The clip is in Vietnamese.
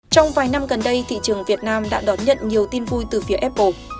trong vài năm gần đây thị trường việt nam đã đón nhận nhiều tin vui từ phía apple